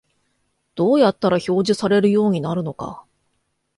どうやったら表示されるようになるのか